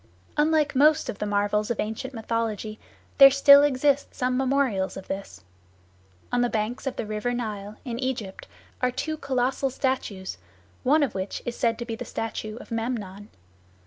Unlike most of the marvels of ancient mythology, there still exist some memorials of this. On the banks of the river Nile, in Egypt, are two colossal statues, one of which is said to be the statue of Memnon.